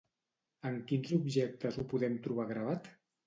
En quins objectes ho podem trobar gravat?